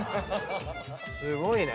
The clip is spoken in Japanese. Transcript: すごいね。